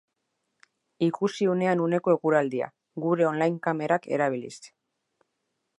Ikusi unean uneko eguraldia, gure online kamerak erabiliz.